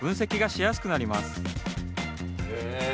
へえ。